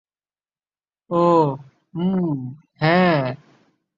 ওহ, উম, হ্যাঁ।